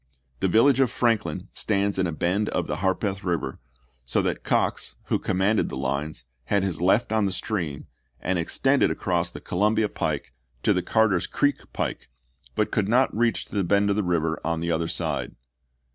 The village of Franklin stands in a bend of the Harpeth River, so that Cox, who commanded the lines, had his left on the stream, and extended across the Columbia pike to the Carter's Creek pike, but could not reach to the bend of the river on the other side.